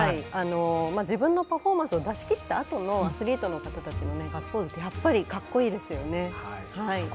自分のパフォーマンスを出し切ったあとのアスリートの方のガッツポーズはやっぱり格好いいですよね。